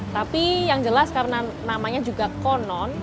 tapi yang jelas karena namanya juga konon